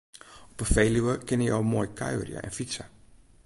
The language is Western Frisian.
Op 'e Feluwe kinne jo moai kuierje en fytse.